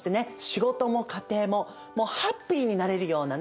仕事も家庭ももうハッピーになれるようなね